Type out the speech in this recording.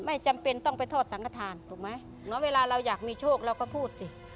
ไม่จำเป็นต้องไปโทษสังขทานถูกไหมเนาะเวลาเราอยากมีโชคเราก็พูดสิ